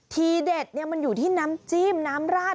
ทีเด็ดมันอยู่ที่น้ำจิ้มน้ำราด